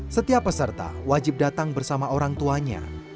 setiap peserta wajib datang bersama orang tuanya